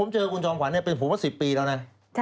เจอกับคุณจอมขวัญเนี่ยผมว่าเป็น๑๐ปีแล้วนะ